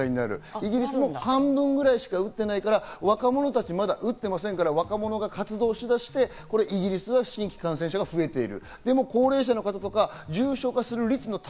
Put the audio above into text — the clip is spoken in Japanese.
イギリスでも半分ぐらいしか打ってないから、若者たちはまだ打ってませんから、若者は活動し出してイギリスは新規感染者が増えている。